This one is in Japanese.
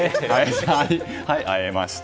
会えました。